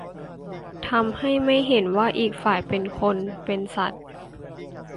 ทำให้ไม่เห็นว่าอีกฝ่ายเป็นคน เป็นสัตว์